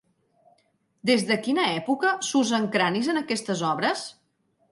Des de quina època s'usen cranis en aquestes obres?